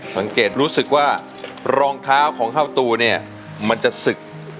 สังเกตรู้สึกว่ารองเท้าของเข้าตูเนี่ยมันจะศึก